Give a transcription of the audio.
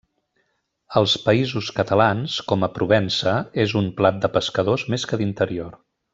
Als Països Catalans, com a Provença, és un plat de pescadors més que d'interior.